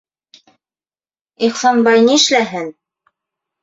Ихсанбай нишләһен?